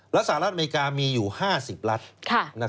สหรัฐอเมริกามีอยู่๕๐รัฐ